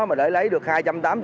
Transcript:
mà để lấy được hai trăm tám mươi đồng